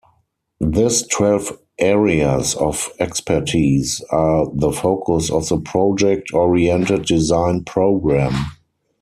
This twelve areas of expertise are the focus of the project-oriented design programme.